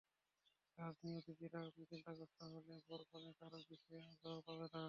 Charge নিয়ে অতিথিরা চিন্তাগ্রস্ত হলে বর-কনে কারও বিষয়েই আগ্রহ পাবেন না।